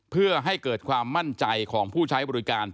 เพื่อให้เกิดความมั่นใจของผู้ใช้บริการ